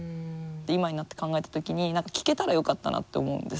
今になって考えた時に何か聞けたらよかったなって思うんです。